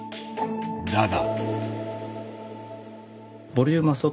だが。